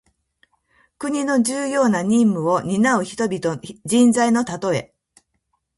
国の重要な任務をになう人材のたとえ。